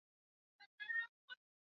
Vazi lishe hupendwa na rika zote